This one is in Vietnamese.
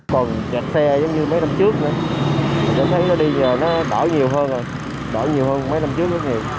còn chạy xe giống như mấy năm trước nữa nó đi giờ nó đổi nhiều hơn rồi đổi nhiều hơn mấy năm trước rất nhiều